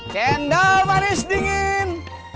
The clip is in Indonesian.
cendol manis dingin